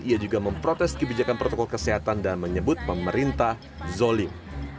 ia juga memprotes kebijakan protokol kesehatan dan menyebut pemerintah zolim